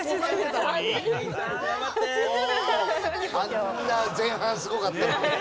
あんな前半すごかったのに。